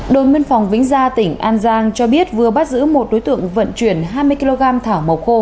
đồn biên phòng vĩnh gia tỉnh an giang cho biết vừa bắt giữ một đối tượng vận chuyển hai mươi kg thảo màu khô